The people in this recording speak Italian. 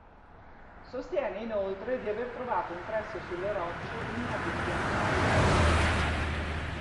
Sostiene inoltre di aver trovato impresse sulle rocce immagini di animali e persone.